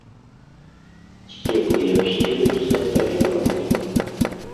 Сцеблы як сцелюцца, так і прамыя.